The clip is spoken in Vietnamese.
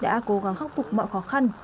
đã cố gắng khắc phục mọi khó khăn